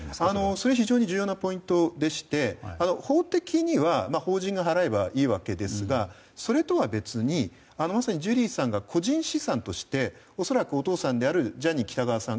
それは非常に重要なポイントでして法的には、法人が払えばいいわけですがそれとは別にジュリーさんが個人資産として恐らく叔父さんであるジャニー喜多川さん